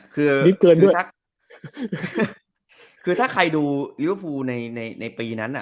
คือถ้าใครดูเรียลฟูในปีนั้นน่ะ